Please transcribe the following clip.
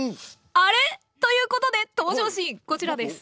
あれ？ということで登場シーンこちらです。